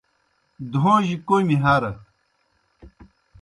دھوݩجیْ کوْمیْ ہرہ۔